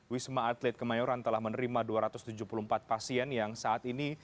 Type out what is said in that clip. wisma atlet kemayoran telah menerima dua ratus tujuh puluh empat pasien yang saat ini